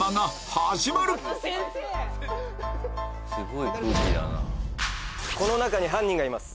いよいよこの中に犯人がいます。